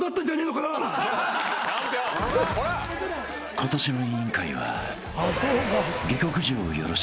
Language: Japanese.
［今年の『委員会』は］